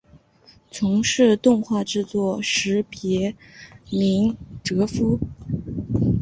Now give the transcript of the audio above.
从事动画制作时别名哲夫。